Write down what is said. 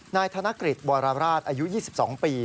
นายกธนกฤษวรราชอายุ๒๒ปี